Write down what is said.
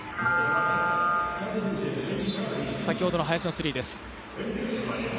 先ほどの林のスリーです。